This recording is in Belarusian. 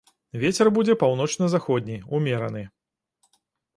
Вецер будзе паўночна-заходні ўмераны.